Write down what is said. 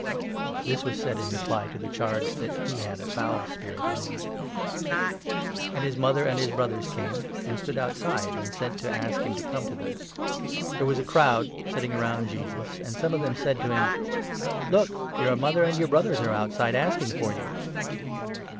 This was said in reply to the charge that he had a foul spirit 30 in him. The true And hife mother and his brothers came, and 31 Brotherhood, stood outside, and sent to ask him to come to them. There was a crowd sitting round Jesus, and some of 32 them said to him :" Look, your mother and your brothers are outside, asking for you."